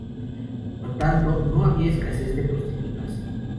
Por tanto, no había escasez de prostitutas.